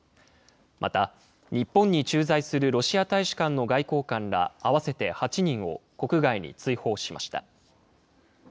また、日本に駐在するロシア大使館の外交官ら合わせて８人を国外に追放しました。